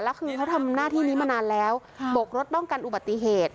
แล้วคือเขาทำหน้าที่นี้มานานแล้วบกรถป้องกันอุบัติเหตุ